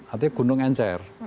artinya gunung encer